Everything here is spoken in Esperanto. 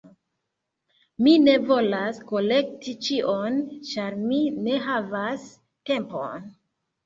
Mi ne volas kolekti ĉion, ĉar mi ne havas tempon.